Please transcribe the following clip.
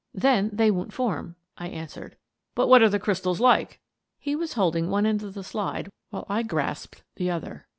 " Then they won't form," I answered. " But what are the crystals like? " He was holding one end of the slide while I grasped the other.